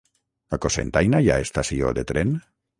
A Cocentaina hi ha estació de tren?